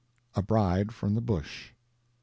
—"A Bride from the Bush."